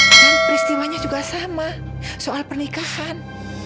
dan peristiwanya juga sama soal pernikahan